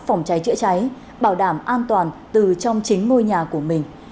phòng cháy chữa cháy bảo đảm an toàn từ trong chính ngôi nhà của mình